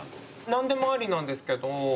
何でもありなんですけど。